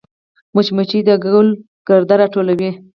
مچمچۍ د ګل ګرده راټولوي